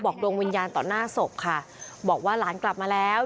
ดวงวิญญาณต่อหน้าศพค่ะบอกว่าหลานกลับมาแล้ว